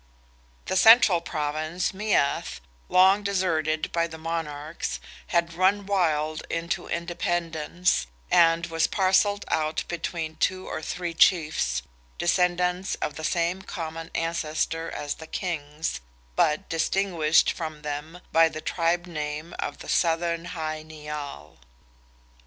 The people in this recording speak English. The central Province, Meath, long deserted by the monarchs, had run wild into independence, and was parcelled out between two or three chiefs, descendants of the same common ancestor as the kings, but distinguished from them by the tribe name of "the Southern Hy Nial."